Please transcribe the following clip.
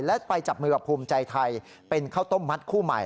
และไปจับมือกับภูมิใจไทยเป็นข้าวต้มมัดคู่ใหม่